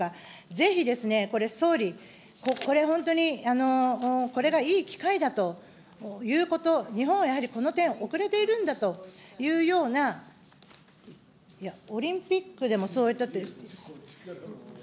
ぜひ、これ、総理、これ、本当にこれがいい機会だということ、日本はやはりこの点、おくれているんだというような、いや、オリンピックでもそういった。